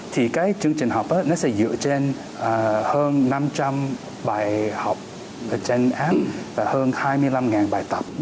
thì cái chương trình học đó nó sẽ dựa trên hơn năm trăm linh bài học trên app và hơn hai mươi năm bài tập